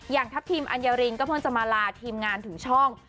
ทัพทิมอัญญารินก็เพิ่งจะมาลาทีมงานถึงช่อง